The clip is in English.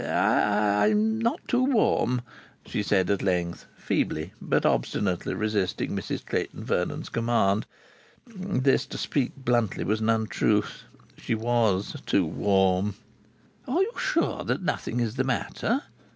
"I'm not too warm," she said at length, feebly but obstinately resisting Mrs Clayton Vernon's command. This, to speak bluntly, was an untruth. She was too warm. "Are you sure that nothing is the matter?"